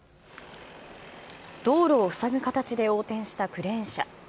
道路をふさぐ形で横転したクレーン車。